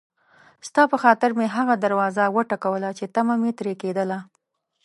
ستا په خاطر مې هغه دروازه وټکوله چې طمعه مې ترې کېدله.